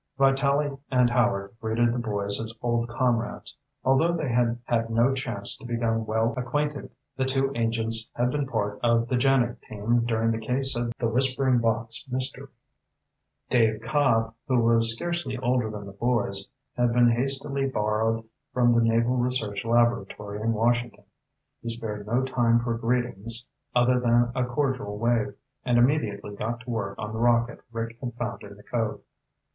Vitalli and Howard greeted the boys as old comrades. Although they had had no chance to become well acquainted, the two agents had been part of the JANIG team during the case of The Whispering Box Mystery. Dave Cobb, who was scarcely older than the boys, had been hastily borrowed from the Naval Research Laboratory in Washington. He spared no time for greetings other than a cordial wave, and immediately got to work on the rocket Rick had found in the cove.